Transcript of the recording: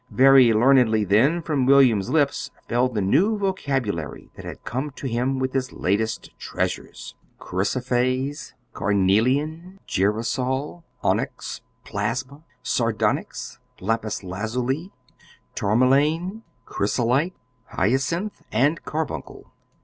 Very learnedly then from William's lips fell the new vocabulary that had come to him with his latest treasures: chrysoprase, carnelian, girasol, onyx, plasma, sardonyx, lapis lazuli, tourmaline, chrysolite, hyacinth, and carbuncle.